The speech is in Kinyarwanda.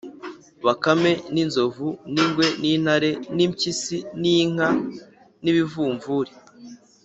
bakame n’inzovu n’ingwe n’intare n’impyisi n’inka n’ibivumvuli